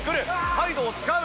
サイドを使う。